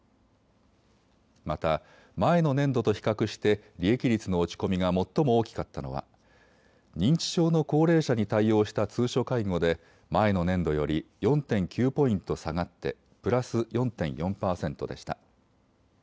また前の年度と比較して利益率の落ち込みが最も大きかったのは認知症の高齢者に対応した通所介護で前の年度より４．９ポイント下がってプラス４．４％でした。